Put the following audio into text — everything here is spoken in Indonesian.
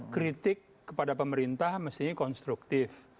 kritik kepada pemerintah mestinya konstruktif